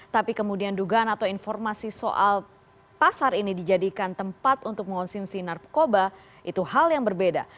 tapi kemudian dugaan atau informasi soal pasar ini dijadikan tempat untuk mengonsumsi narkoba itu hal yang berbeda